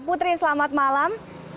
putri selamat malam